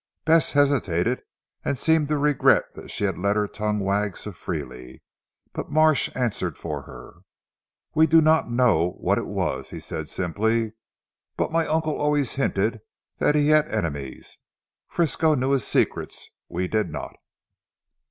Bess hesitated, and seemed to regret that she had let her tongue wag so freely, but Marsh answered for her. "We do not know what it was," he said simply, "but my uncle always hinted that he had enemies. Frisco knew his secrets; we did not."